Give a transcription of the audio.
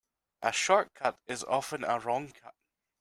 A short cut is often a wrong cut.